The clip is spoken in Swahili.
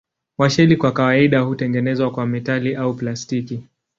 Washeli kwa kawaida hutengenezwa kwa metali au plastiki.